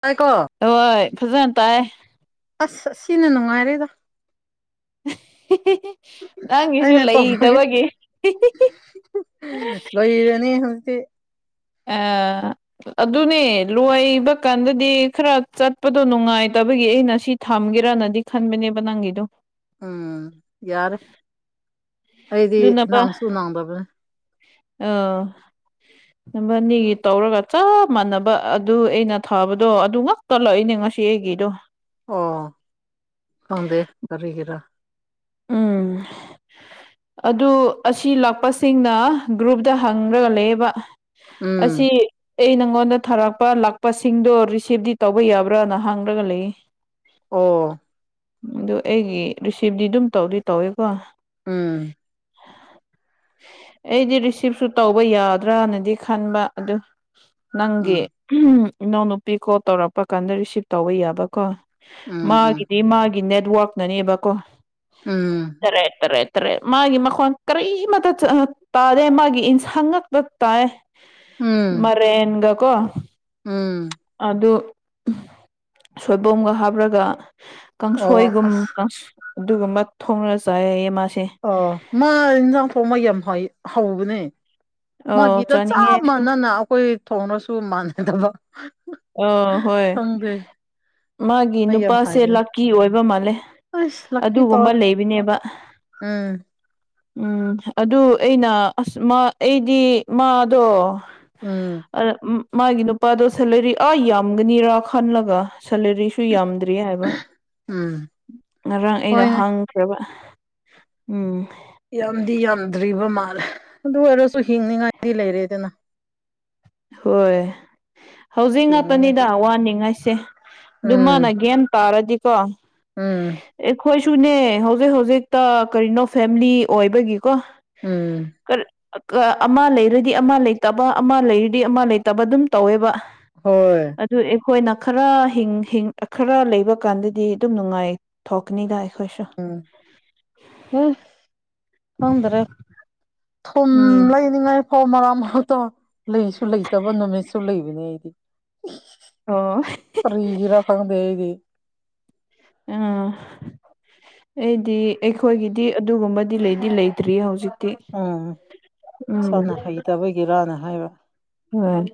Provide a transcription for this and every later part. ꯇꯥꯏ ꯀꯣ ꯍꯣꯏ ꯐꯖꯅ ꯇꯥꯏ ꯑꯁ ꯁꯤꯅ ꯅꯨꯡꯉꯥꯏꯔꯦꯗ ꯅꯪꯒꯤꯁꯨ ꯑꯩꯅ ꯇꯧꯔꯒꯦ ꯂꯩꯇꯕꯒꯤ ꯂꯣꯏꯔꯅꯤ ꯍꯧꯖꯤꯛꯇꯤ [unintelligible] ꯑꯗꯨꯅꯦ ꯂꯣꯏꯕ ꯀꯥꯟꯗꯗꯤ ꯈꯔ ꯆꯠꯄꯗꯣ ꯅꯨꯡꯉꯥꯏꯇꯕꯒꯤ ꯑꯩꯅ ꯁꯤ ꯊꯝꯒꯦꯔꯅꯗꯤ ꯈꯟꯕꯅꯦꯕ ꯅꯪꯒꯤꯗꯣ ꯎꯝ ꯌꯥꯔꯦ ꯑꯩꯗꯤ ꯑꯗꯨꯅꯕ ꯅꯥꯡꯁꯨ ꯅꯥꯡꯗꯕꯅꯦ [unintelligible] [unintelligible] ꯅ ꯃꯅꯤꯒꯤ ꯇꯧꯔꯒ ꯆꯞ ꯃꯥꯟꯅꯕ ꯑꯗꯨ ꯑꯩꯅ ꯊꯥꯕꯗꯣ ꯑꯗꯨ ꯉꯛꯇ ꯂꯏꯅꯦ ꯉꯁꯤ ꯑꯩꯒꯤꯗꯣ ꯑꯣ ꯐꯗꯦ ꯀꯔꯤꯒꯔꯥ ꯎꯝ ꯑꯗꯨ ꯑꯁꯤ ꯂꯥꯛꯄꯁꯤꯡꯅ ꯒ꯭ꯔꯨꯞꯇ ꯍꯪꯈ꯭ꯔꯒ ꯂꯩꯌꯦꯕ ꯎꯝ ꯑꯁꯤꯁꯤ ꯑꯩ ꯅꯪꯉꯣꯟꯗ ꯊꯥꯔꯛꯄ ꯂꯥꯛꯄꯁꯤꯡꯗꯣ ꯔꯤꯁꯤꯚꯇꯗꯤ ꯇꯧꯕ ꯌꯥꯕ꯭ꯔꯥꯅ ꯍꯥꯡꯂꯒ ꯂꯩꯌꯦ ꯑꯣ ꯑꯗꯨ ꯑꯩꯒꯤ ꯔꯤꯁꯤꯞꯇ ꯑꯗꯨꯝ ꯇꯧꯗꯤ ꯇꯧꯋꯦꯀꯣ ꯎꯝ ꯑꯩꯗꯤ ꯔꯤꯁꯤꯞꯁꯨ ꯇꯧꯕ ꯌꯥꯗ꯭ꯔꯅꯗꯤ ꯈꯟꯕ ꯑꯗꯨ ꯎꯝ ꯅꯪꯒꯤ ꯏꯅꯥꯎꯅꯨꯄꯤ ꯀꯣꯜ ꯇꯧꯔꯛꯄ ꯀꯥꯟꯗ ꯔꯤꯁꯤꯞ ꯇꯧꯕ ꯌꯥꯕꯀꯣ ꯎꯝ ꯃꯥꯒꯤꯗꯤ ꯃꯥꯒꯤ ꯅꯦꯠꯋꯛꯅꯅꯦꯕꯀꯣ ꯎꯝ ꯇꯔꯦꯠ ꯇꯔꯦꯠ ꯇ꯭ꯔꯦ ꯃꯥꯒꯤ ꯃꯈꯣꯟ ꯀꯔꯤꯃꯠꯇ ꯇꯥꯗꯦ ꯃꯥꯒꯤ ꯏꯟꯁ ꯍꯥꯡꯉꯛꯇ ꯇꯥꯏ ꯎꯝ ꯎꯝ ꯃꯔꯦꯅꯤꯡꯒꯀꯣ ꯎꯝ ꯑꯗꯨ ꯁꯣꯏꯕꯣꯝꯒ ꯍꯥꯞꯔꯒ ꯑꯣ ꯀꯥꯡꯁꯣꯏꯒꯨꯝ ꯑꯁ ꯑꯗꯨꯒꯨꯝꯕ ꯊꯣꯡꯅ ꯆꯥꯏꯔꯌꯦ ꯃꯥꯁꯦ ꯑ ꯃꯥ ꯏꯟꯖꯥꯡ ꯊꯥꯎ ꯃꯥ ꯌꯥꯝ ꯍ ꯍꯥꯎꯕꯅꯦ ꯑꯣ ꯃꯥꯒꯤꯗ ꯆꯥꯅꯤꯡꯉꯦ ꯆꯞ ꯑꯩꯁꯨ ꯃꯥꯟꯅꯅ ꯑꯩꯈꯣꯏ ꯊꯣꯡꯅꯁꯨ ꯃꯥꯟꯅꯗꯕ ꯑ ꯍꯣꯏ ꯈꯪꯗꯦ ꯃꯥꯒꯤ ꯃꯥ ꯌꯥꯝ ꯅꯨꯄꯥꯁꯦ ꯍꯩꯕꯅꯦ ꯂꯥꯀꯤ ꯑꯣꯏꯕ ꯃꯥꯜꯂꯦ ꯑꯁ ꯂꯛꯀꯤ ꯇꯧꯋꯦ ꯑꯗꯨꯒꯨꯝꯕ ꯂꯩꯕꯅꯦꯕ ꯎꯝ ꯎꯝ ꯑꯗꯨ ꯑꯩꯅ ꯑꯁ ꯑꯩꯗꯤ ꯃꯥꯗꯣ ꯎꯝ ꯑ ꯃꯥꯒꯤ ꯅꯨꯄꯥꯗꯣ ꯁꯦꯂꯔꯤ ꯑꯥ ꯌꯥꯝꯒꯅꯤꯔꯥ ꯈꯜꯂꯒ ꯁꯦꯂꯔꯤꯁꯨ ꯌꯥꯝꯗ꯭ꯔꯤ ꯍꯥꯏꯕ ꯎꯝ ꯉꯔꯥꯡ ꯑꯩꯅ ꯍꯣꯏꯅꯦ ꯍꯥꯡ ꯭ꯔꯕ ꯎꯝ ꯌꯥꯝꯗꯤ ꯌꯥꯝꯗ꯭ꯔꯤꯕ ꯃꯥꯜꯂꯦ ꯑꯗꯨ ꯑꯣꯏꯔꯁꯨ ꯍꯤꯡꯅꯤꯉꯥꯏꯗꯤ ꯂꯩꯔꯦꯗꯅ ꯍꯣꯏ ꯍꯧꯖꯤꯛ ꯉꯥꯛꯇꯅꯤꯗ ꯍꯤꯡꯅꯤꯡꯉꯥꯏꯗꯤ ꯋꯥꯅꯤꯡꯉꯥꯏꯁꯦ ꯎꯝ ꯑꯗꯨꯃꯅ ꯒ꯭ꯌꯥꯟ ꯇꯥꯔꯗꯤꯀꯣ ꯎꯝ ꯑꯩꯈꯣꯏꯁꯨꯅꯦ ꯍꯧꯖꯤꯛ ꯍꯧꯖꯤꯛꯇ ꯀꯔꯤꯅꯣ ꯐꯦꯃꯤꯂꯤ ꯑꯣꯏꯕꯒꯤꯀꯣ ꯎꯝ ꯑꯃ ꯂꯩꯔꯗꯤ ꯑꯃ ꯂꯩꯇꯕ ꯑꯃ ꯂꯩꯔꯗꯤ ꯑꯃ ꯂꯩꯇꯕ ꯑꯗꯨꯝ ꯇꯧꯋꯦꯕ ꯍꯣꯏ ꯑꯗꯨ ꯑꯩꯈꯣꯏꯅ ꯈꯔ ꯍꯤꯡ ꯍꯤꯡ ꯈꯔ ꯂꯩꯕ ꯀꯥꯟꯗꯗꯤ ꯑꯗꯨꯝ ꯅꯨꯡꯉꯥꯏ ꯊꯣꯛꯀꯅꯤꯗ ꯑꯩꯈꯣꯏꯁꯨ ꯎꯝ ꯍꯨꯝ ꯈꯪꯗꯔꯦ ꯊꯨꯝ ꯎꯝ ꯂꯩꯅꯤꯡꯉꯥꯏ ꯐꯥꯎ ꯃꯔꯛ ꯃꯔꯛꯇꯣ ꯂꯩꯁꯨ ꯂꯩꯇꯕ ꯅꯨꯃꯤꯠꯁꯨ ꯂꯩꯕꯅꯦ ꯑꯩꯗꯤ ꯑꯣ ꯀꯔꯤꯒꯤꯔ ꯈꯪꯗꯦ ꯑꯩꯗꯤ ꯑꯝ ꯑꯩꯗꯤ ꯑꯩꯈꯣꯏꯒꯤꯗꯤ ꯑꯗꯨꯒꯨꯝꯕꯗꯤ ꯂꯩꯗꯤ ꯂꯩꯇ꯭ꯔꯤ ꯍꯧꯖꯤꯛꯇꯤ ꯎꯝ ꯎꯝ ꯏꯁꯥꯅ ꯍꯩꯇꯕꯒꯤꯔꯅ ꯍꯥꯏꯕ ꯎꯝ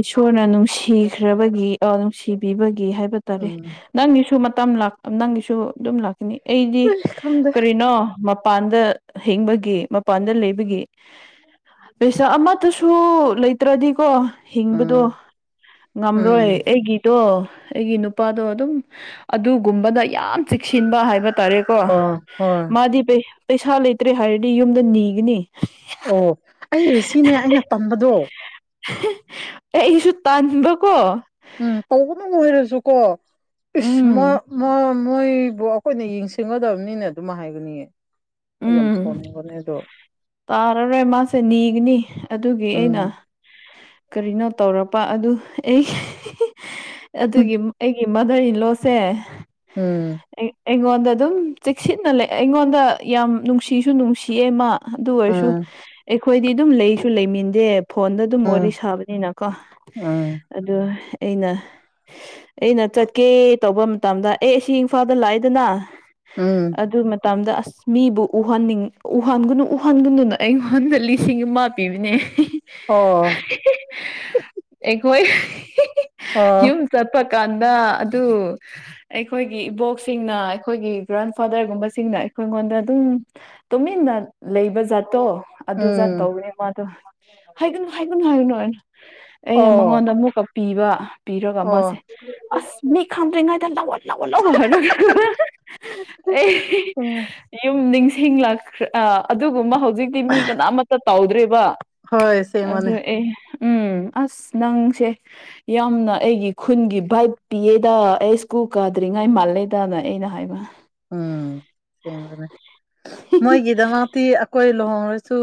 ꯏꯁꯣꯔꯅ ꯅꯨꯡꯁꯤꯈ꯭ꯔꯕꯒꯤ ꯑꯣ ꯅꯨꯡꯁꯤꯕꯤꯕꯒꯤ ꯍꯥꯏꯕ ꯇꯥꯔꯦ ꯎꯝ ꯅꯪꯒꯤꯁꯨ ꯃꯇꯝ ꯂꯥꯛ ꯑ ꯅꯪꯒꯤꯁꯨ ꯑꯗꯨꯝ ꯂꯥꯛꯀꯅꯤ ꯑꯩꯗꯤ ꯑꯩ ꯈꯪꯗꯦ ꯀꯔꯤꯅꯣ ꯃꯄꯥꯟꯗ ꯍꯤꯡꯕꯒꯤ ꯃꯄꯥꯟꯗ ꯂꯩꯕꯒꯤ ꯄꯩꯁꯥ ꯑꯃꯠꯇꯁꯨ ꯂꯩꯇ꯭ꯔꯗꯤꯀꯣ ꯍꯤꯡꯕꯗꯣ ꯎꯝ ꯎꯝ ꯉꯝꯔꯣꯏ ꯑꯩꯒꯤ ꯇꯣ ꯑꯩꯒꯤ ꯅꯨꯄꯥꯗꯣ ꯑꯗꯨꯝ ꯑꯗꯨꯒꯨꯝꯕꯗ ꯌꯥꯝ ꯆꯦꯛꯁꯤꯟꯕ ꯍꯥꯏꯕ ꯇꯥꯔꯦ ꯀꯣ ꯑꯣ ꯍꯣꯏ ꯃꯥꯗꯤ ꯄꯩ ꯄꯩꯁꯥ ꯂꯩꯇ꯭ꯔꯦ ꯍꯥꯏꯔꯗꯤ ꯌꯨꯝꯗ ꯅꯤꯒꯅꯤ ꯑꯣ ꯑꯩꯌꯦ ꯁꯤꯅꯦ ꯑꯩꯅ ꯇꯝꯕꯗꯣ ꯑꯩꯁꯨ ꯇꯥꯟꯕ ꯀꯣ ꯎꯝ ꯇꯧꯕꯗꯪ ꯑꯣꯏꯔꯁꯨ ꯀꯣ ꯏꯁ ꯃꯥ ꯎꯝ ꯃꯥ ꯃꯣꯏꯕꯨ ꯑꯈꯣꯏꯅ ꯌꯦꯡꯁꯤꯒꯗꯕꯅꯤꯅ ꯑꯗꯨꯝ ꯍꯥꯏꯕꯅꯤ ꯎꯝ ꯇꯥꯔꯔꯣꯏ ꯃꯥꯁꯦ ꯅꯤꯒꯅꯤ ꯑꯗꯨꯒꯤ ꯑꯩꯅ ꯎꯝ ꯀꯔꯤꯅꯣ ꯇꯧꯔꯛꯄ ꯑꯗꯨ ꯑꯩ ꯎꯝ ꯑꯗꯨꯒꯤ ꯏ ꯃꯥꯗꯔ ꯏꯟꯂꯣꯁꯦ ꯎꯝ ꯑꯩ ꯑꯩꯉꯣꯟꯗ ꯑꯗꯨꯝ ꯆꯦꯛꯁꯤꯟꯅ ꯂꯩ ꯑꯩꯉꯣꯟꯗ ꯌꯥꯝ ꯅꯨꯡꯁꯤꯁꯨ ꯅꯨꯡꯁꯤꯌꯦ ꯃꯥ ꯑꯗꯨ ꯑꯣꯏꯔꯁꯨ ꯎꯝ ꯑꯩꯈꯣꯏꯗꯤ ꯑꯗꯨꯝ ꯂꯩꯁꯨ ꯂꯩꯃꯤꯟꯗꯦ ꯐꯣꯟꯗ ꯑꯗꯨꯝ ꯋꯥꯔꯤ ꯎꯝ ꯁꯥꯕꯅꯤꯅꯀꯣ ꯎꯝ ꯑꯗꯨ ꯑꯩꯅ ꯑꯩꯅ ꯆꯠꯀꯦ ꯇꯧꯕ ꯃꯇꯝꯗ ꯑꯩ ꯑꯁꯤ ꯏꯝꯐꯥꯜꯗ ꯂꯥꯛꯏꯗꯅ ꯎꯝ ꯑꯗꯨ ꯃꯇꯝꯗ ꯑꯁ ꯃꯤꯕꯨ ꯎꯍꯟꯅꯤꯡ ꯎꯍꯟꯒꯅꯨ ꯎꯍꯟꯒꯅꯨꯅ ꯑꯩꯉꯣꯟꯗ ꯂꯤꯁꯤꯡ ꯑꯃ ꯄꯤꯕꯅꯦ ꯑꯣ ꯑꯩꯈꯣꯏ ꯑꯣ ꯌꯨꯝ ꯆꯠꯄ ꯀꯥꯟꯗ ꯑꯗꯨ ꯑꯩꯈꯣꯏꯒꯤ ꯏꯕꯣꯛꯁꯤꯡꯅ ꯑꯩꯈꯣꯏꯒꯤ ꯒ꯭ꯔꯥꯟ ꯐꯥꯗꯔꯒꯨꯝꯕꯁꯤꯡꯅ ꯑꯩꯈꯣꯏꯉꯣꯟꯗ ꯑꯗꯨꯝ ꯇꯨꯃꯤꯟꯅ ꯂꯩꯕ ꯖꯥꯠꯇꯣ ꯑꯗꯨ ꯖꯥꯠ ꯎꯝ ꯇꯧꯕꯅꯦ ꯃꯥꯗꯨ ꯍꯥꯏꯒꯅꯨ ꯍꯥꯏꯒꯅꯨ ꯍꯥꯏꯒꯅꯨ ꯑꯅ ꯑꯩꯅ ꯑꯣ ꯃꯉꯣꯟꯗ ꯑꯃꯨꯛꯀ ꯄꯤꯕ ꯄꯤꯔꯒ ꯃꯥꯁꯦ ꯑꯣ ꯑꯁ ꯃꯤ ꯈꯥꯗ꯭ꯔꯤꯉꯩꯗ ꯂꯧꯌꯠ ꯎꯝ [unintelligible] ꯌꯨꯝ ꯅꯤꯡꯁꯤꯡꯂꯛꯈ꯭ꯔ ꯑ ꯑꯗꯨꯒꯨꯝꯕ ꯍꯧꯖꯤꯛꯇꯤ ꯃꯤ ꯀꯅꯥꯃꯠꯇ ꯇꯧꯗ꯭ꯔꯦꯕ ꯍꯣꯏ ꯑꯁꯦꯡꯕꯅꯦ ꯑꯗꯨ ꯑꯦ ꯎꯝ ꯑꯁ ꯅꯪꯁꯦ ꯌꯥꯝꯅ ꯑꯩꯒꯤ ꯈꯨꯟꯒꯤ ꯚꯥꯏꯞ ꯄꯤꯌꯦꯗ ꯑꯩ ꯁ꯭ꯀꯨꯜ ꯀꯥꯗ꯭ꯔꯤꯉꯥꯏ ꯃꯥꯜꯂꯦꯗꯅ ꯑꯩꯅ ꯍꯥꯏꯕ [unintelligible] ꯃꯣꯏꯒꯤꯗꯃꯛꯇꯤ ꯑꯈꯣꯏ ꯂꯨꯍꯣꯡꯉꯁꯨ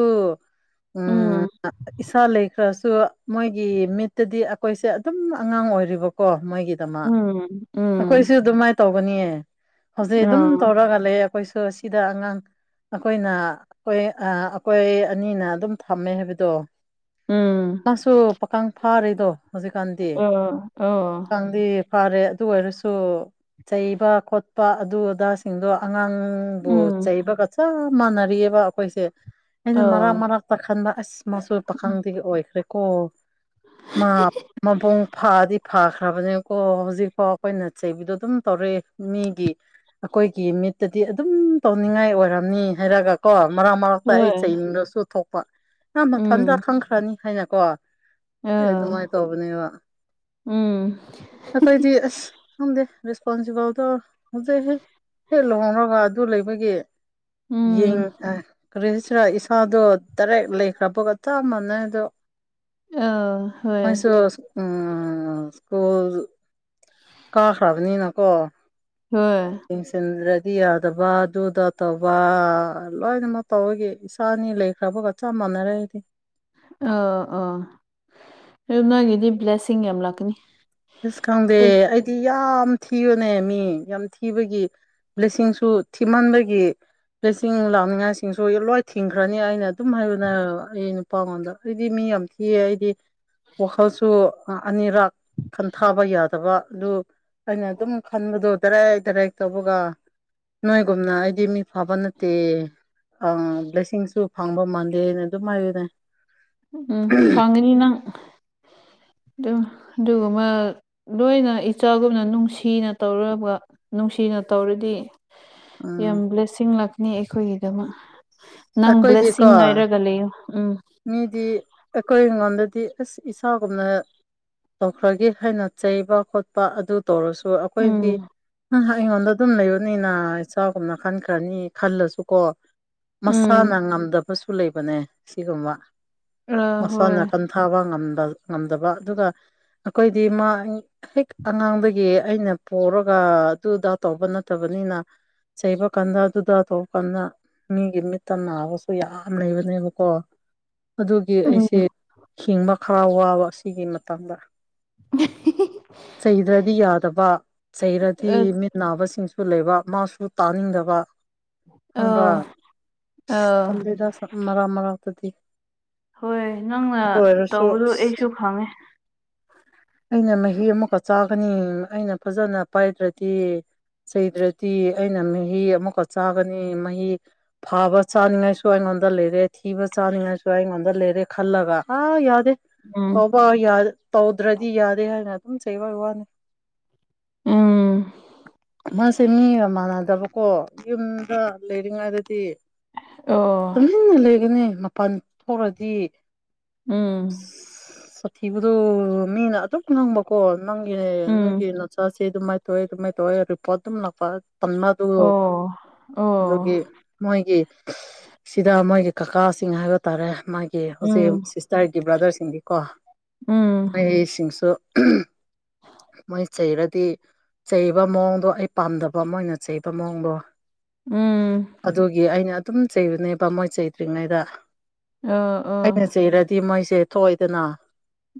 ꯎꯝ ꯑ ꯏꯁꯥ ꯂꯩ ꯈꯔꯁꯨ ꯃꯣꯏꯒꯤ ꯃꯤꯠꯇꯗꯤ ꯑꯈꯣꯏꯁꯦ ꯑꯗꯨꯝ ꯑꯉꯥꯡ ꯑꯣꯏꯔꯤꯕꯀꯣ ꯃꯣꯏꯒꯤ ꯗꯃꯛ ꯎꯝ ꯑꯈꯣꯏꯁꯨ ꯎꯝ ꯑꯗꯨꯃꯥꯏꯟ ꯇꯧꯒꯅꯤꯌꯦ ꯍꯧꯖꯤꯛ ꯑꯗꯨꯝ ꯑꯥ ꯇꯧꯔꯒ ꯂꯩꯌꯦ ꯑꯈꯣꯏꯁꯨ ꯑꯁꯤꯗ ꯑꯉꯥꯡ ꯑꯈꯣꯏꯅ ꯑꯈꯣꯏ ꯑ ꯑꯈꯣꯏ ꯑꯅꯤꯅ ꯑꯗꯨꯝ ꯊꯝꯃꯦ ꯍꯥꯏꯕꯗꯣ ꯎꯝ ꯃꯥꯁꯨ ꯄꯥꯀꯥꯡ ꯐꯥꯔꯦꯗꯣ ꯍꯧꯖꯤꯛꯀꯥꯟꯗꯤ ꯑꯥ ꯑꯥ ꯄꯥꯀꯪꯗꯤ ꯐꯔꯦ ꯑꯗꯨ ꯑꯣꯏꯔꯁꯨ ꯆꯩꯕ ꯈꯣꯠꯄ ꯑꯗꯨ ꯑꯗꯥ ꯁꯤꯡꯗꯣ ꯑꯉꯥꯡꯕꯨ ꯎꯝ ꯆꯩꯕꯒ ꯆꯞ ꯃꯥꯟꯅꯔꯤꯑꯕ ꯑꯩꯈꯣꯏꯁꯦ ꯑꯩꯅ ꯑꯥ ꯃꯔꯛ ꯃꯔꯛꯇꯥ ꯈꯟꯕ ꯑꯁ ꯃꯆꯣꯏ ꯄꯥꯈꯪꯗꯒꯤ ꯑꯣꯏꯈ꯭ꯔꯦꯀꯣ ꯃꯥ ꯃꯕꯨꯡ ꯐꯥꯗꯤ ꯐꯈ꯭ꯔꯕꯅꯦꯀꯣ ꯍꯧꯖꯤꯛꯐꯥꯎ ꯑꯩꯈꯣꯏꯅ ꯆꯩꯕꯗꯣ ꯑꯗꯨꯝ ꯇꯧꯔꯛꯑꯦ ꯃꯤ ꯑꯩꯈꯣꯏꯒꯤ ꯃꯤꯠꯇꯗꯤ ꯑꯗꯨꯝ ꯇꯧꯅꯤꯡꯉꯥꯏ ꯑꯣꯏꯔꯝꯅꯤ ꯍꯥꯏꯔꯒ ꯀꯣ ꯃꯔꯛ ꯃꯔꯛꯇ ꯑꯩ ꯍꯣꯏ ꯆꯩꯅꯤꯡꯗꯁꯨꯨ ꯊꯣꯛꯄ ꯅꯪ ꯃꯊꯟꯇ ꯎꯝ ꯈꯪꯈ꯭ꯔꯅꯤ ꯍꯥꯏꯅ ꯀꯣ ꯑꯗꯨ ꯑꯥ ꯑꯗꯨꯃꯥꯏ ꯇꯣꯕꯅꯦꯕ ꯎꯝ ꯑꯩꯈꯣꯏꯗꯤ ꯑꯁ ꯈꯪꯗꯦ ꯔꯦꯁꯄꯣꯟꯁꯤꯕꯜꯗꯣ ꯍꯧꯖꯤꯛ ꯍꯧꯖꯤꯛ ꯂꯨꯍꯣꯡꯒ꯭ꯔ ꯑꯗꯨ ꯂꯩꯕꯒꯤ ꯌꯦꯡ ꯎꯝ ꯑ ꯀꯔꯤꯁꯤꯔ ꯏꯁꯥꯗꯣ ꯇꯔꯦꯠ ꯂꯩꯈ꯭ꯔꯕꯒ ꯆꯞ ꯃꯥꯟꯅꯩ ꯑꯗꯣ ꯑ ꯍꯣꯏ ꯃꯣꯏꯁꯨ ꯎꯝ ꯁ꯭ꯀꯨꯜꯖꯨ ꯀꯥꯈ꯭ꯔꯕꯅꯤꯅꯀꯣ ꯍꯣꯏ ꯌꯦꯡꯁꯤꯟꯗ꯭ꯔꯗꯤ ꯌꯥꯗꯕ ꯑꯗꯨꯗ ꯇꯧꯕ ꯂꯣꯏꯅꯃꯛ ꯇꯧꯕꯒꯤ ꯏꯆꯥꯅꯤ ꯂꯩꯈ꯭ꯔꯕꯒ ꯆꯞ ꯃꯥꯅꯔꯦ ꯑꯩꯗꯤ ꯑꯥ ꯑꯥ ꯑꯗꯨ ꯅꯪꯒꯤꯗꯤ ꯕ꯭ꯂꯦꯁꯤꯡ ꯌꯥꯝ ꯂꯥꯛꯀꯅꯤ ꯏꯁ ꯈꯪꯗꯦ ꯍꯣꯏ ꯑꯩꯗꯤ ꯌꯥꯝ ꯊꯤꯕꯅꯦ ꯃꯤ ꯌꯥꯝ ꯊꯤꯕꯒꯤ ꯕ꯭ꯂꯦꯁꯤꯡꯁꯨ ꯊꯤꯃꯟꯕꯒꯤ ꯕ꯭ꯂꯦꯁꯤꯡ ꯂꯥꯛꯅꯤꯡꯉꯥꯏꯁꯤꯡꯁꯨ ꯂꯣꯏ ꯊꯤꯡꯈ꯭ꯔꯅꯤ ꯑꯩꯅ ꯑꯗꯨꯝ ꯍꯥꯏꯕꯅꯦꯕ ꯑꯩ ꯅꯨꯞ ꯄꯝꯗ ꯑꯩꯗꯤ ꯃꯤ ꯌꯥꯝ ꯊꯤꯌꯦ ꯑꯩꯗꯤ ꯋꯥꯈꯜꯁꯨ ꯑꯅꯤꯔꯛ ꯈꯟꯊꯥꯕ ꯌꯥꯗ ꯐꯠꯇꯕ ꯑꯗꯨ ꯑꯩꯅ ꯑꯗꯨꯝ ꯈꯟꯕꯗꯣ ꯗꯔꯦꯛ ꯗꯔꯦꯛ ꯇꯧꯕꯒ ꯅꯣꯏꯒꯨꯝꯅ ꯑꯩꯗꯤ ꯃꯤ ꯐꯕ ꯅꯠꯇꯦ ꯑꯝ ꯕ꯭ꯂꯦꯁꯤꯡꯁꯨ ꯐꯪꯕ ꯃꯥꯜꯂꯦꯅ ꯑꯗꯨꯝ ꯍꯥꯏꯌꯨꯅꯦ ꯎꯝ ꯐꯪꯒꯅꯤ ꯅꯪ ꯑꯗꯨꯝ ꯑꯗꯨꯒꯨꯃꯛ ꯂꯣꯏꯅ ꯏꯆꯥꯒꯨꯝꯅ ꯅꯨꯡꯁꯤꯅ ꯇꯧꯔꯨꯔꯕ ꯅꯨꯡꯁꯤꯅ ꯇꯧꯔꯗꯤ ꯎꯝ ꯌꯥꯝ ꯕ꯭ꯂꯦꯁꯤꯡ ꯂꯥꯛꯅꯤ ꯑꯩꯈꯣꯏꯒꯤꯗꯃꯛ ꯅꯪ ꯑꯩꯈꯣꯏꯗꯤꯀꯣ ꯕ꯭ꯂꯦꯁꯤꯡ ꯉꯥꯏꯔꯒ ꯂꯩꯌꯣ ꯎꯝ ꯃꯤꯗꯤ ꯑꯩꯈꯣꯏ ꯉꯣꯟꯗꯗꯤ ꯑꯁ ꯏꯁꯥꯒꯨꯝꯅ ꯇꯧꯈ꯭ꯔꯒꯦ ꯍꯥꯏꯅ ꯆꯩꯕ ꯈꯣꯠꯄ ꯑꯗꯨ ꯇꯧꯔꯁꯨ ꯑ ꯑꯩꯈꯣꯏꯗꯤ ꯎꯝ ꯑꯩꯉꯣꯟꯗ ꯑꯗꯨꯝ ꯂꯩꯕꯅꯤꯅ ꯏꯆꯥꯒꯨꯝꯅ ꯈꯟꯈ꯭ꯔꯅꯤ ꯈꯜꯂꯁꯨꯀꯣ ꯎꯝ ꯃꯁꯥꯅ ꯉꯝꯗꯕꯁꯨ ꯂꯩꯕꯅꯦ ꯁꯤꯒꯨꯝꯕ ꯑ ꯍꯣꯏ ꯃꯁꯥꯅ ꯈꯟꯊꯕ ꯉꯝꯗꯕ ꯑꯗꯨꯒ ꯑꯩꯈꯣꯏꯗꯤ ꯃꯥ ꯍꯦꯛ ꯑꯉꯥꯡꯗꯒꯤ ꯑꯩꯅ ꯄꯨꯔꯒ ꯑꯗꯨꯗꯥ ꯇꯧꯕ ꯅꯠꯇꯕꯅꯤꯅ ꯆꯩꯕ ꯀꯥꯟꯗ ꯑꯗꯨꯗ ꯇꯧꯕ ꯀꯥꯟꯗ ꯃꯤꯒꯤ ꯃꯤꯠꯇ ꯅꯥꯕꯁꯨ ꯌꯥꯝ ꯂꯩꯕꯅꯦꯕꯀꯣ ꯑꯗꯨꯒꯤ ꯑꯩꯁꯦ ꯎꯝ ꯍꯤꯡꯕ ꯈꯔ ꯋꯥꯕ ꯁꯤꯒꯤ ꯃꯇꯝꯗ ꯆꯩꯗ꯭ꯔꯗꯤ ꯌꯥꯗꯕ ꯆꯩꯔꯗꯤ ꯑꯁ ꯃꯤꯠ ꯅꯥꯕꯁꯤꯡꯁꯨ ꯂꯩꯕ ꯃꯥꯁꯨ ꯇꯥꯅꯤꯡꯗꯕ ꯈꯪꯕ꯭ꯔ ꯑꯥ ꯁꯁ ꯑꯥ ꯇꯜꯂꯤꯗ ꯃꯔꯛ ꯃꯔꯛꯇꯗꯤ ꯍꯣꯏ ꯅꯪꯅ ꯑꯗꯨ ꯑꯣꯏꯔꯁꯨ ꯇꯧꯕꯗꯨ ꯑꯁ ꯑꯩꯁꯨ ꯐꯪꯉꯦ ꯑꯩꯅ ꯃꯍꯤ ꯑꯃꯨꯛꯀ ꯆꯥꯒꯅꯤ ꯑꯩꯅ ꯐꯖꯅ ꯄꯥꯏꯗ꯭ꯔꯗꯤ ꯆꯩꯗ꯭ꯔꯗꯤ ꯑꯩꯅ ꯃꯍꯤ ꯑꯃꯛꯀ ꯆꯥꯒꯅꯤ ꯃꯍꯤ ꯐꯕ ꯆꯥꯅꯤꯡꯉꯥꯏꯁꯨ ꯑꯩꯉꯣꯟꯗ ꯂꯩꯔꯦ ꯊꯤꯕ ꯆꯥꯅꯤꯡꯉꯥꯏꯁꯨ ꯑꯩꯉꯣꯟꯗ ꯂꯩꯔꯦ ꯈꯜꯂꯒ ꯑꯥ ꯌꯥꯗꯦ ꯎꯝ ꯍꯥꯎꯕ ꯌꯥ ꯗ꯭ꯔꯗꯤ ꯌꯥꯗꯦ ꯍꯥꯏꯅ ꯑꯗꯨꯝ ꯆꯩꯕ ꯋꯥꯅꯤ ꯎꯝ ꯃꯥꯁꯦ ꯃꯤꯒ ꯃꯥꯟꯅꯗꯕꯀꯣ ꯌꯨꯝꯗ ꯂꯩꯔꯤꯉꯩꯗꯗꯤ ꯑꯣ ꯇꯨꯝꯃꯤꯟꯅ ꯂꯩꯒꯅꯤ ꯃꯄꯥꯟ ꯊꯣꯛꯔꯗꯤ ꯎꯝ ꯊꯤꯕꯗꯣ ꯃꯤꯅ ꯑꯗꯨꯝ ꯉꯥꯡꯕꯀꯣ ꯅꯪꯒꯤꯅꯦ ꯎꯝ ꯅꯣꯏꯒꯤ ꯅꯆꯥꯁꯤ [unintelligible] ꯑꯗꯨꯃꯥꯏ ꯇꯧꯔꯦ ꯑꯗꯨꯃꯥꯏ ꯇꯧꯔꯦ ꯔꯤꯄꯣꯔꯠ ꯑꯗꯨꯝ ꯂꯥꯛꯄ [unintelligible] ꯑꯣ ꯑꯣ ꯑꯗꯨꯒꯤ ꯃꯣꯏꯒꯤ ꯁꯤꯗ ꯃꯣꯏꯒꯤ ꯀꯀꯥꯁꯤꯡ ꯍꯥꯏꯕ ꯇꯥꯔꯦ ꯃꯥꯒꯤ ꯎꯝ ꯍꯧꯖꯤꯛ ꯁꯤꯁꯇꯔꯏꯒꯤ ꯕꯔꯗꯔꯁꯤꯡꯗꯤꯒꯤ ꯀꯣ ꯎꯝ ꯃꯣꯏꯁꯤꯡꯁꯨ ꯃꯣꯏ ꯆꯩꯔꯗꯤ ꯆꯩꯕ ꯃꯑꯣꯡꯗꯣ ꯑꯩ ꯄꯥꯝꯗꯕ ꯃꯣꯏꯅ ꯆꯩꯕ ꯃꯑꯣꯡꯗꯣ ꯎꯝ ꯑꯗꯨꯒꯤ ꯑꯩꯅ ꯑꯗꯨꯝ ꯆꯩꯕꯅꯦꯕ ꯃꯣꯏ ꯆꯩꯗꯔꯤꯉꯩꯗ ꯑꯣ ꯑꯩꯅ ꯑꯣ ꯆꯩꯔꯗꯤ ꯃꯣꯏꯁꯦ ꯊꯣꯛꯑꯣꯏꯗꯅ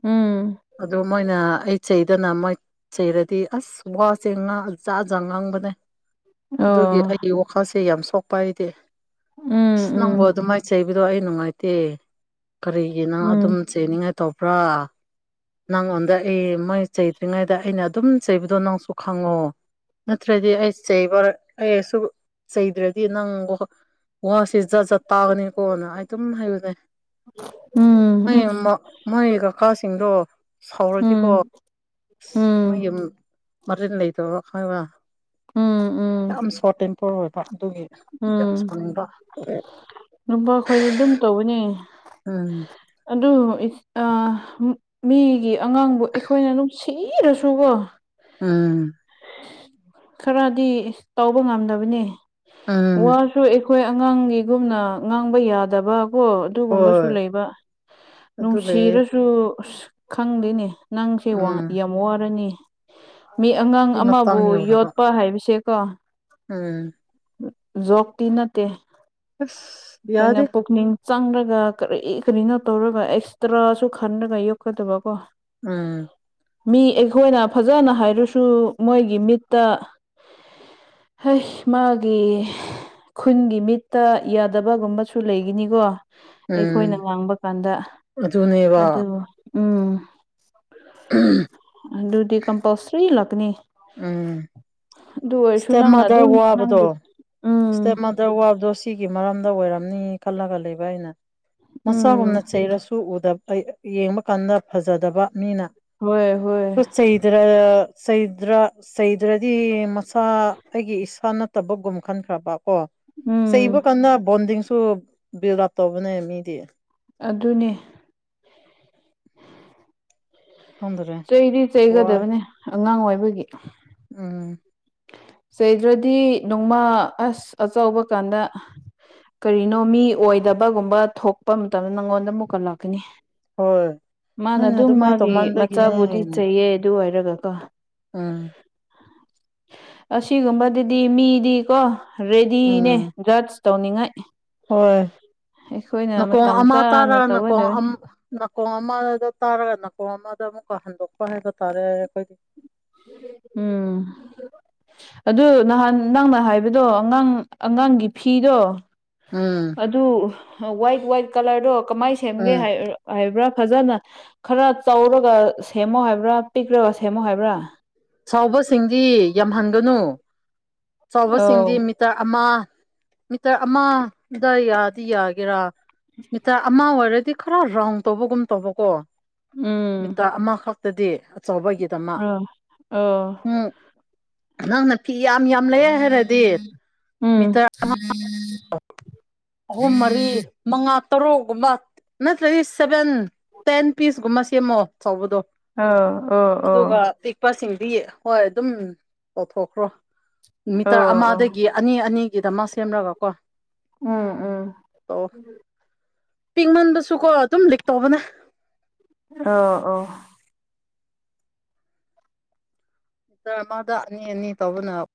ꯎꯝ ꯑꯗꯨ ꯃꯣꯏꯅ ꯑꯩ ꯆꯩꯗꯅ ꯃꯣꯏ ꯆꯩꯔꯗꯤ ꯑꯁ ꯋꯥꯁꯦ ꯉꯥꯡ ꯖꯥꯠ ꯖꯥꯠ ꯉꯥꯡꯕꯅꯦ ꯑꯗꯨꯒꯤ ꯑꯣ ꯑꯩꯒꯤ ꯋꯥꯈꯜꯁꯦ ꯌꯥꯝ ꯁꯣꯛꯄ ꯍꯥꯏꯗꯤ ꯑꯁ ꯅꯪꯕꯨ ꯎꯝ ꯎꯝ ꯑꯗꯨꯃꯥꯏ ꯆꯩꯕꯗꯣ ꯑꯩ ꯅꯨꯡꯉꯥꯏꯇꯦ ꯀꯔꯤꯒꯤ ꯅꯪ ꯑꯗꯨꯝ ꯎꯝ ꯆꯩꯅꯤꯡꯉꯥꯏ ꯇꯧꯕ꯭ꯔꯥ ꯅꯪꯉꯣꯟꯗ ꯑꯩ ꯃꯣꯏꯅ ꯆꯩꯇ꯭ꯔꯤꯉꯩꯗ ꯑꯩꯅ ꯑꯗꯨꯝ ꯆꯩꯕꯗꯣ ꯅꯪꯁꯨ ꯈꯪꯉꯣ ꯅꯠꯇ꯭ꯔꯗꯤ ꯑꯩ ꯆꯩꯕ ꯑꯩꯁꯨ ꯆꯩꯗ꯭ꯔꯗꯤ ꯅꯪꯕꯨ ꯋꯥꯁꯦ ꯖꯥꯠ ꯖꯥꯠ ꯇꯥꯕꯅꯤꯀꯣꯅ ꯑꯩ ꯑꯗꯨꯝ ꯍꯥꯏꯕꯅꯦ ꯎꯝ ꯑꯁ [unintelligible] ꯃꯥꯒꯤ ꯀꯀꯥꯁꯤꯡꯗꯣ ꯁꯥꯎꯔꯗꯤꯀꯣ ꯎꯝ ꯎꯝ ꯑꯁ [unintelligible] ꯃꯔꯤꯟ ꯂꯩꯇꯕ ꯈꯪꯉꯕ꯭ꯔꯥ ꯎꯝ ꯎꯝ ꯌꯥꯝ ꯁꯣꯔꯠ ꯇꯦꯝꯄꯔ ꯑꯣꯏꯕ ꯑꯗꯨꯒꯤ ꯌꯥꯝ ꯎꯝ ꯁꯥꯎꯅꯤꯡꯕ ꯅꯨꯄꯥ ꯈꯣꯏꯗꯤ ꯗꯨꯝ ꯇꯧꯏꯅꯦ ꯎꯝ ꯑꯗꯨ ꯏꯁ ꯑꯥ ꯃꯤꯒꯤ ꯑꯉꯥꯡꯕꯨ ꯑꯩꯈꯣꯏꯅ ꯅꯨꯡꯁꯤ ꯁꯤꯔꯁꯨꯀꯣ ꯎꯝ ꯈꯔꯗꯤ ꯇꯧꯕ ꯉꯝꯗꯕꯅꯤ ꯎꯝ ꯋꯥ ꯁꯨ ꯑꯩꯈꯣꯏ ꯑꯉꯥꯡꯒꯤꯒꯨꯝꯅ ꯉꯥꯡꯕ ꯌꯥꯗꯕꯀꯣ ꯑꯗꯨꯒꯨꯝꯕꯁꯨ ꯍꯣꯏ ꯂꯩꯕ ꯑꯗꯨ ꯂꯩꯌꯦ ꯅꯨꯡꯁꯤꯔꯁꯨ ꯁꯨ ꯑꯁ ꯈꯪꯗꯦꯅꯦ ꯅꯪꯁꯦ ꯎꯝ ꯌꯥꯝ ꯋꯥꯔꯅꯤ ꯃꯤ ꯑꯉꯥꯡ ꯁꯤ ꯃꯇꯥꯡ ꯑꯗꯨꯕꯨ ꯌꯧꯔꯕ ꯌꯣꯠꯄ ꯍꯥꯏꯕꯁꯦꯀꯣ ꯎꯝ ꯖꯣꯛꯇꯤ ꯅꯠꯇꯦ ꯑꯁ ꯑꯩꯈꯣꯏꯅ ꯌꯥꯗꯦ ꯄꯨꯛꯅꯤꯡ ꯆꯪꯔꯒ ꯀꯔꯤ ꯀꯔꯤꯅꯣ ꯇꯧꯔꯒ ꯑꯦꯛꯁꯇ꯭ꯔꯥꯁꯨ ꯈꯟꯂꯒ ꯌꯣꯛꯀꯗꯕꯀꯣ ꯎꯝ ꯃꯤ ꯑꯩꯈꯣꯏꯅ ꯐꯖꯅ ꯍꯥꯏꯔꯁꯨ ꯃꯣꯏꯒꯤ ꯃꯤꯠꯇ ꯍꯁ ꯃꯥꯒꯤ ꯈꯨꯟꯒꯤ ꯃꯤꯠꯇ ꯌꯥꯗꯕꯒꯨꯝꯕꯁꯨ ꯂꯩꯒꯥꯅꯤꯀꯣ ꯎꯝ ꯑꯩꯈꯣꯏꯅ ꯉꯥꯡꯕ ꯀꯥꯟꯗ ꯑꯗꯨꯅꯦꯕ ꯑꯗꯨ ꯎꯝ [unintelligible] ꯑꯗꯨꯗꯤ ꯀꯝꯄꯜꯁꯔꯤ ꯂꯥꯛꯀꯅꯤ ꯎꯝ ꯑꯗꯨ ꯑꯣꯏꯔꯁꯨ ꯏꯁꯇꯦꯞ ꯅꯪꯅ ꯃꯥꯗꯔ ꯑꯗꯨꯝ ꯋꯥꯕꯗꯣ ꯅꯪꯒꯤ ꯎꯝ ꯏꯁꯇꯦꯞ ꯃꯥꯗꯔ ꯋꯥꯕꯗꯣ ꯁꯤꯒꯤ ꯃꯔꯝꯗ ꯑꯣꯏꯔꯝꯅꯤ ꯈꯜꯂꯒ ꯂꯩꯕ ꯑꯩꯅ ꯎꯝ ꯃꯆꯥꯒꯨꯝꯅ ꯆꯩꯔꯁꯨ ꯎꯗꯕꯥ ꯑꯩ ꯌꯦꯡꯕ ꯀꯥꯟꯗ ꯐꯖꯗꯕ ꯃꯤꯅ ꯍꯣꯏ ꯍꯣꯏ ꯗ꯭ꯔ ꯆꯩꯗ꯭ꯔ ꯆꯩꯗ꯭ꯔꯗꯤ ꯃꯆꯥ ꯑꯩꯒꯤ ꯏꯁꯥ ꯅꯠꯇ ꯐꯠꯇꯕꯒꯨꯝ ꯈꯟꯈ꯭ꯔꯕ ꯀꯣ ꯆꯩꯕ ꯎꯝ ꯀꯥꯟꯗ ꯕꯣꯟꯗꯤꯡꯁꯨ ꯕꯨꯏꯜ ꯑꯥꯞ ꯇꯧꯕꯅꯦ ꯃꯤꯗꯤ ꯑꯗꯨꯅꯤ ꯈꯪꯗ꯭ꯔꯦ ꯆꯩꯗꯤ ꯋꯥꯏ ꯆꯩꯒꯗꯕꯅꯦ ꯑꯉꯥꯡ ꯑꯣꯏꯕꯒꯤ ꯎꯝ ꯆꯩꯗ꯭ꯔꯗꯤ ꯅꯣꯡꯃꯥ ꯑꯁ ꯑꯆꯕ ꯀꯥꯟꯗ ꯀꯔꯤꯅꯣ ꯃꯤ ꯑꯣꯏꯗꯕꯒꯨꯝꯕ ꯊꯣꯛꯄ ꯃꯇꯝꯗ ꯅꯪꯉꯣꯟꯗ ꯃꯨꯛ ꯀꯠꯂꯛꯀꯅꯤ ꯍꯣꯏ ꯃꯥꯅ ꯅꯣꯏꯅ ꯑꯗꯨꯝ ꯑꯗꯨꯃꯥꯏꯅ ꯃꯥꯒꯤ ꯇꯧꯃꯟꯕꯒꯤꯅꯦ ꯃꯆꯥꯕꯨꯗꯤ ꯆꯩꯌꯦ ꯑꯗꯨ ꯑꯣꯏꯔꯒꯀꯣ ꯑꯥ ꯑꯁꯤꯒꯨꯝꯕꯗꯨꯗꯤ ꯃꯤꯗꯤꯀꯣ ꯔꯦꯗꯤꯅꯦ ꯎꯝ ꯗ꯭ꯔꯁ ꯇꯧꯅꯤꯡꯉꯥꯏ ꯍꯣꯏ ꯑꯩꯈꯣꯏꯅ ꯅꯀꯣꯡ ꯃꯇꯝ ꯑꯃ ꯇꯥꯔꯥ ꯆꯥꯅ ꯅꯀꯣꯡ ꯇꯧꯒꯗꯕꯅꯤ ꯅꯥꯀꯣꯡ ꯑꯃꯗ ꯇꯥꯔꯒ ꯅꯥꯀꯣꯡ ꯑꯃꯗ ꯑꯃꯨꯛꯀ ꯍꯟꯗꯣꯛꯄ ꯍꯥꯏꯕ ꯇꯥꯔꯦ ꯑꯩꯈꯣꯏꯗꯤ ꯎꯝ ꯑꯗꯨ ꯅꯍꯥꯟ ꯅꯪꯅ ꯍꯥꯏꯕꯗꯣ ꯑꯉꯥꯡ ꯑꯉꯥꯡꯒꯤ ꯐꯤꯗꯣ ꯎꯝ ꯑꯗꯨ ꯋꯥꯏꯠ ꯋꯥꯏꯠ ꯀꯂꯔꯗꯣ ꯀꯃꯥꯏꯅ ꯁꯦꯝꯒꯦ ꯎꯝ ꯍꯥꯏ ꯍꯥꯏꯕ꯭ꯔꯥ ꯐꯖꯅ ꯈꯔ ꯇꯧꯔꯒ ꯁꯦꯝꯃꯣ ꯍꯥꯏꯕ꯭ꯔꯥ ꯄꯤꯛꯂꯒ ꯁꯦꯝꯃꯣ ꯍꯥꯏꯕ꯭ꯔꯥ ꯆꯥꯎꯕꯁꯤꯡꯗꯤ ꯌꯥꯝꯍꯟꯒꯅꯨ ꯑꯧ ꯆꯥꯎꯕꯁꯤꯡꯗꯤ ꯃꯤ ꯃꯤꯇꯔ ꯑꯃ ꯃꯤꯇꯔ ꯑꯃꯗ ꯌꯥꯗꯤ ꯌꯥꯒꯦꯔꯥ ꯃꯤꯇꯔ ꯑꯃ ꯑꯣꯏꯔꯗꯤ ꯈꯔ ꯔꯥꯎꯟ ꯇꯧꯕꯒꯨꯝ ꯇꯧꯕꯀꯣ ꯎꯝ ꯃꯤꯇꯥ ꯑꯃꯈꯛꯇꯗꯤ ꯑꯆꯧꯕꯒꯤ ꯃ ꯑ ꯑ ꯎꯝ ꯅ ꯐꯤ ꯌꯥꯝ ꯌꯥꯝ ꯂꯩ ꯍꯥꯏꯔꯗꯤ ꯎꯝ ꯃꯤꯇꯔ ꯑꯃ ꯑꯍꯨꯝ ꯃꯔꯤ ꯃꯉꯥ ꯇꯔꯨꯛꯒꯨꯝꯕ ꯅꯠꯇ꯭ꯔꯗꯤ ꯁꯚꯦꯟ ꯇꯦꯟ ꯄꯤꯁꯒꯨꯝꯕ ꯁꯦꯝꯃꯣ ꯆꯥꯎꯕꯗꯣ ꯑ ꯑꯣ ꯑꯣ ꯑꯗꯨꯒ ꯄꯤꯛꯄꯁꯤꯡꯗꯤ ꯍꯣꯏ ꯑꯗꯨꯝ ꯇꯧꯊꯣꯛꯈ꯭ꯔꯣ ꯃꯤꯇꯔ ꯑꯣ ꯑꯣ ꯑꯃꯗꯒꯤ ꯑꯅꯤ ꯑꯅꯤꯒꯤꯗ ꯃꯥ ꯁꯦꯝꯂꯒ ꯀꯣ ꯎꯝ ꯎꯝ ꯄꯤꯡꯃꯟꯕꯁꯨ ꯀꯣ ꯑꯗꯨꯝ ꯂꯤꯛ ꯇꯧꯕꯅꯦ ꯑ ꯑꯣ ꯃꯥꯗ ꯑꯅꯤ ꯑꯅꯤ ꯇꯧꯕꯅ